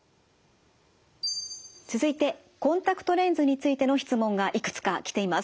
続いてコンタクトレンズについての質問がいくつか来ています。